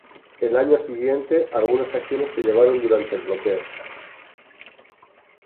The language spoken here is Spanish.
Al año siguiente, algunas acciones se llevaron durante el bloqueo.